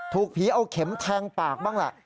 ถูกผีเอาเข็มแทงปากบ้างแหละ